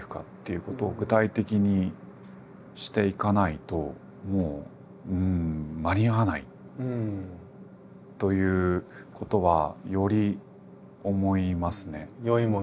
いうことを具体的にしていかないと間に合わないということはより思いますね。